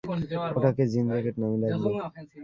ওটাকে jean jacket নামে ডাকবো।